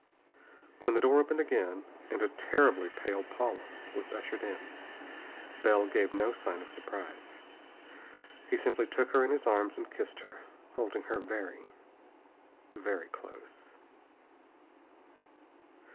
When the door opened again and a terribly pale Paula was ushered in, Bell gave no sign of surprise. He simply took her in his arms and kissed her, holding her very, very close.